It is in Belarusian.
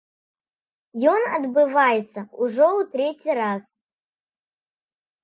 Ён адбываецца ўжо ў трэці раз.